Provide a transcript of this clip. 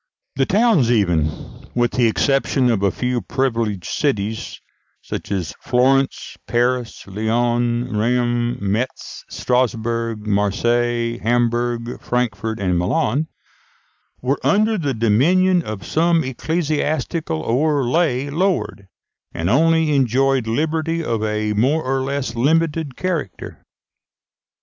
The towns even with the exception of a few privileged cities, as Florence, Paris, Lyons, Rheims, Metz, Strasburg, Marseilles, Hamburg, Frankfort, and Milan were under the dominion of some ecclesiastical or lay lord, and only enjoyed liberty of a more or less limited character.